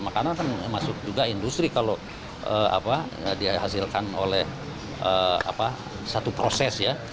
makanan kan masuk juga industri kalau dihasilkan oleh satu proses ya